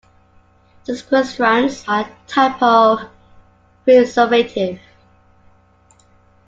Sequestrants are a type of preservative.